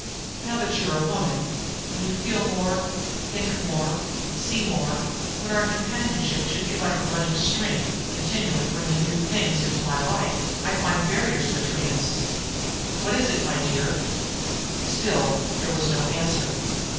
Now that you are a woman, when you feel more, think more, see more, when our companionship should be like a running stream, continually bringing new things into my life, I find barriers between us. Why is it, my dear?" Still there was no answer.